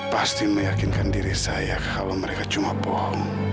pasti meyakinkan diri saya kalau mereka cuma bohong